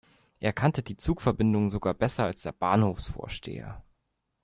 Er kannte die Zugverbindungen sogar besser als der Bahnhofsvorsteher.